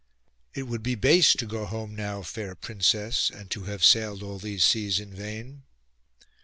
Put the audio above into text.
'It would be base to go home now, fair princess, and to have sailed all these seas in vain.